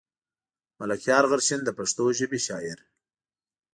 ملکيار غرشين د پښتو ژبې شاعر.